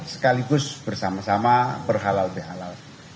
sekaligus bersama sama berhalal bihalal